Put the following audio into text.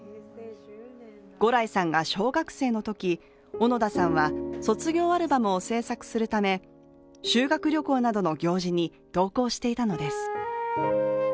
牛来さんが小学生のとき小野田さんは卒業アルバムを制作するため修学旅行などの行事に同行していたのです。